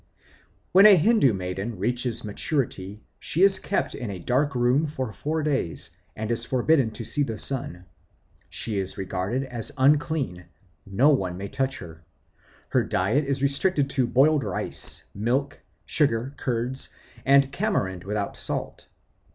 When a Hindoo maiden reaches maturity she is kept in a dark room for four days, and is forbidden to see the sun. She is regarded as unclean; no one may touch her. Her diet is restricted to boiled rice, milk, sugar, curd, and tamarind without salt.